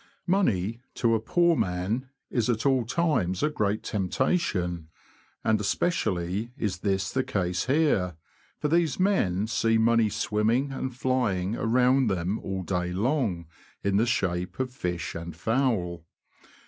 Money, to a poor man, is at all times a great temptation ; and especially is this the case here, for these men see money swimming and flying around them all day long, in the shape of fish and fowl.